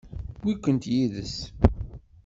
Tewwi-kent yid-s?